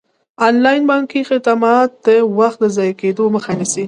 انلاین بانکي خدمات د وخت د ضایع کیدو مخه نیسي.